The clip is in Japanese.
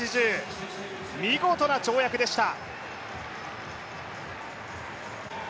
見事な跳躍でした。